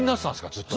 ずっと。